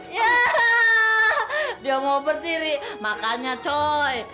yah dia mau berdiri makanya coy